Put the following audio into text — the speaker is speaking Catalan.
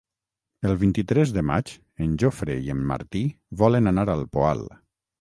El vint-i-tres de maig en Jofre i en Martí volen anar al Poal.